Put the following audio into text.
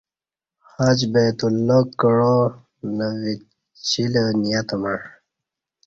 حج بیت اللہ کعا نہ وچیلہ نیت مع